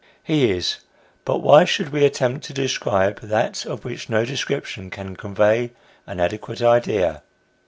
He is but why should we attempt to describe that of which no description can convey an adequate idea